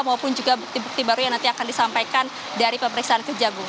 maupun juga bukti bukti baru yang nanti akan disampaikan dari pemeriksaan kejagung